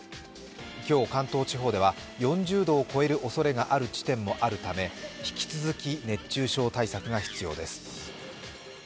今日、関東地方では４０度を超えるおそれがある地点もあるため引き続き熱中症対策が必要です。